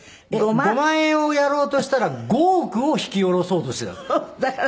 ５万円をやろうとしたら５億を引き下ろそうとしてたんですか。